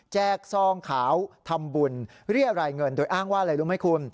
ซองขาวทำบุญเรียรายเงินโดยอ้างว่าอะไรรู้ไหมคุณ